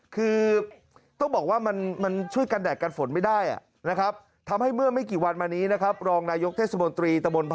คือต้องบอกว่ามันช่วยกันแดดกันฝนไม่ได้นะครับ